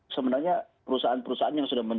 sebenarnya perusahaan perusahaan yang sudah